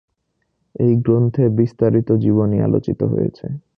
এই গ্রন্থে বিস্তারিত জীবনী আলোচিত হয়েছে।